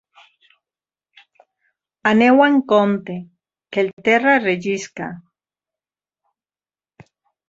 Aneu amb compte, que el terra rellisca.